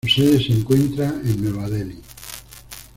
Su sede se encuentra en Nueva Delhi.